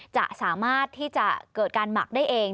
จะสามารถที่จะเกิดการหมักได้เอง